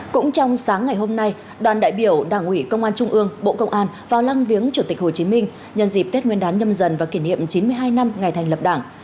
cũng trong sáng ngày hôm nay đoàn đại biểu đảng ủy công an trung ương bộ công an vào lăng viếng chủ tịch hồ chí minh nhân dịp tết nguyên đán nhâm dần và kỷ niệm chín mươi hai năm ngày thành lập đảng